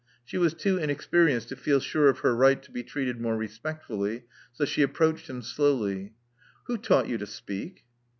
She was too inexperienced to feel sure of her right to be treated more respectfully, so she approached him slowly. Who taught you to speak?